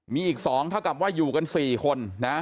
มีอีก๒เท่ากับว่าอยู่กัน๔คนนะ